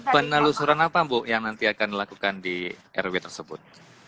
penelusuran apa bu yang nanti akan dilakukan di rw tersebut